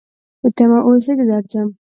په تمه اوسه، زه راځم